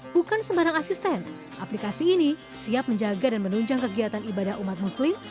bukan sembarang asisten aplikasi ini siap menjaga dan menunjang kegiatan ibadah umat muslim